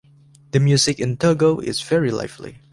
The music in Togo is very lively.